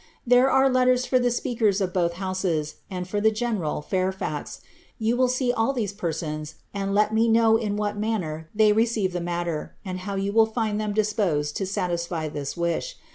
*' There are letters for the $ptaker$ of both houses, and for the general (Fairfkx). Yon will see all these persons, and let me know in what manner they receife the matter, and how you find them disposed to satisfy this wish.